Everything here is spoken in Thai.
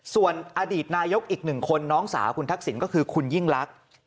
ส่วนอดีตนายกอีกหนึ่งคนน้องสาวคุณทักษิณก็คือคุณยิ่งลักษณ์